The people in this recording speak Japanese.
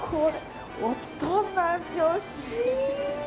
大人女子。